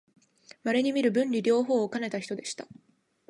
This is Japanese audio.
まれにみる文理両方をかねた人でした